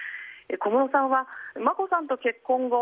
小室さんは眞子さんと結婚後